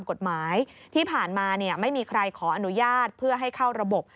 ไม่มีใครขออนุญาตเพื่อให้เข้าระบบ